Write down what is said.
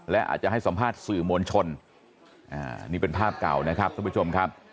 และอาจจะให้สัมภาษณ์สื่อมวลชนนี่เป็นภาพเก่านะครับท่านผู้ชมครับ